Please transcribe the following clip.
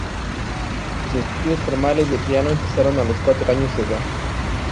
Sus estudios formales de piano empezaron a los cuatro años de edad.